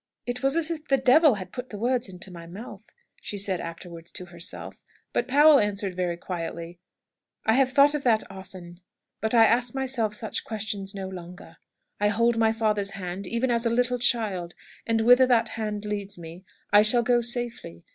"It was as if the devil had put the words into my mouth," said she afterwards to herself. But Powell answered very quietly, "I have thought of that often. But I ask myself such questions no longer. I hold my Father's hand even as a little child, and whither that hand leads me I shall go safely.